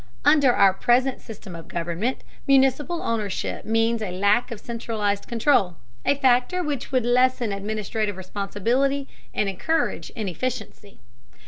Under our present system of government, municipal ownership means a lack of centralized control, a factor which would lessen administrative responsibility and encourage inefficiency.